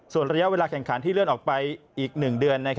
ส่วนระยะเวลาแข่งขันที่เลื่อนออกไปอีก๑เดือน